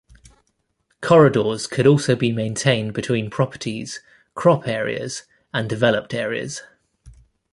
Corridors could also be maintained between properties, crop areas, and developed areas.